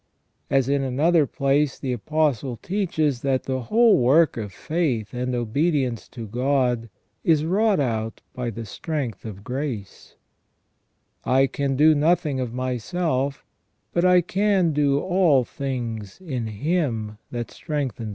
As, in another place, the Apostle teaches that the whole work of faith and obedience to God is wrought out by the strength of grace, " I can do nothing of myself, but I can do all things in Him that strengthens me